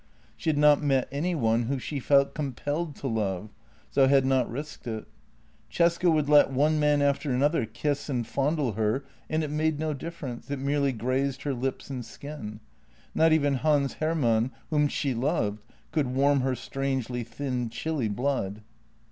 She had not met any one whom she felt compelled to love, so had not risked it. Cesca would let one man after another kiss and fondle her, and it made no difference; it merely grazed her lips and skin. Not even Hans Hermann, whom she loved, could warm her strangely thin, chilly blood.